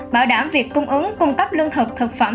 bảo đảm việc cung ứng cung cấp lương thực thực phẩm